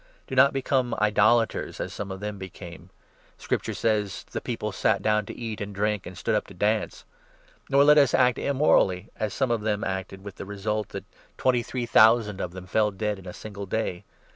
Do not 7 become idolaters, as some of them became. Scripture says — 4 The people sat down to eat and drink, and stood up to dance.' Nor let us act immorally, as some of them acted, with the result 8 that twenty three thousand of them fell dead in a single day.